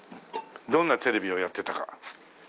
どんなテレビをやってたか。